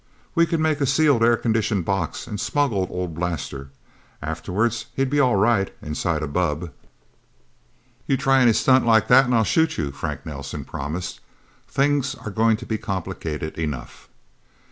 We could make a sealed air conditioned box and smuggle old Blaster. Afterwards, he'd be all right, inside a bubb." "You try any stunt like that and I'll shoot you," Frank Nelsen promised. "Things are going to be complicated enough."